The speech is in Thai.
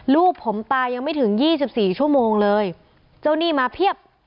ลูกผมตายังไม่ถึง๒๔ชั่วโมงเลยเจ้าหนี้มาเพียบ